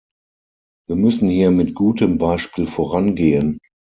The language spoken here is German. Wir müssen hier mit gutem Beispiel vorangehen.